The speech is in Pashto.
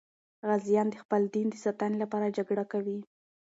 غازیان د خپل دین د ساتنې لپاره جګړه کوي.